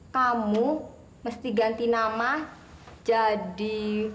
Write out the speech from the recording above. kamu mesti ganti nama jadi